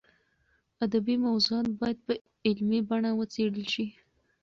ادبي موضوعات باید په علمي بڼه وڅېړل شي.